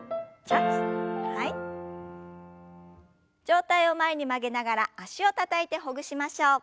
上体を前に曲げながら脚をたたいてほぐしましょう。